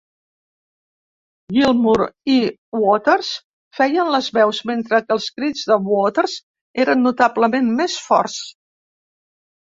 Gilmour i Waters feien les veus, mentre que els crits de Waters eren notablement més forts.